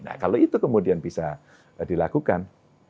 nah kalau itu kemudian bisa dilakukan